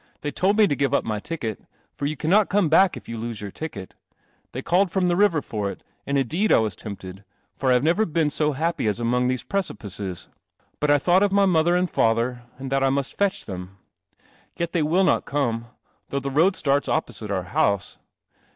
They told me to give up my ticket — for you cannot come back if you lose your ticket. They called from the river for it, and indeed I was tempted, for I have never been so happy as among those 72 I III CELEST] \l. < )MMl;i precij Bui I thought ol my mother and father, and that I mu t fetch them. Yet they will i: me, thou ;h the road I opposite our house.